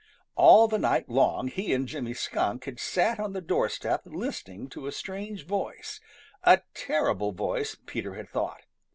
All the night long he and Jimmy Skunk had sat on the doorstep listening to a strange voice, a terrible voice Peter had thought.